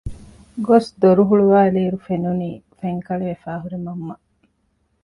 ގޮސް ދޮރު ހުޅުވައިލީއިރު ފެނުނީ ފެންކަޅިވެފައި ހުރި މަންމަ